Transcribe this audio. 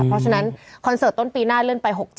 เพราะฉะนั้นคอนเสิร์ตต้นปีหน้าเลื่อนไป๖๗